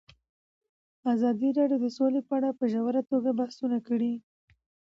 ازادي راډیو د سوله په اړه په ژوره توګه بحثونه کړي.